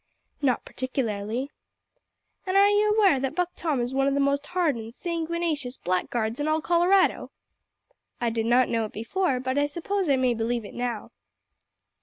"Not particularly." "An' are ye aware that Buck Tom is one o' the most hardened, sanguinacious blackguards in all Colorado?" "I did not know it before, but I suppose I may believe it now."